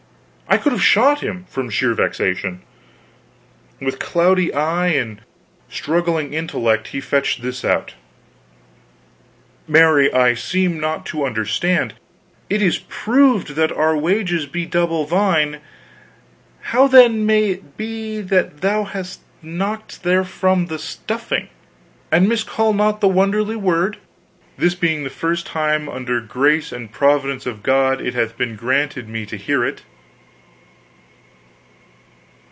I could have shot him, from sheer vexation. With cloudy eye and a struggling intellect he fetched this out: "Marry, I seem not to understand. It is proved that our wages be double thine; how then may it be that thou'st knocked therefrom the stuffing? an miscall not the wonderly word, this being the first time under grace and providence of God it hath been granted me to hear it."